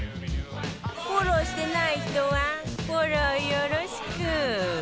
フォローしてない人はフォローよろしく